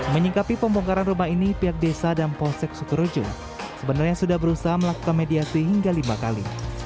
menyikapi pembongkaran rumah ini pihak desa dan polsek sukorojo sebenarnya sudah berusaha melakukan mediasi hingga lima kali